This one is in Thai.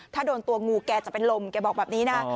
ถ้าโดนตัวงูแกจะเป็นลมแกบอกแบบนี้นะ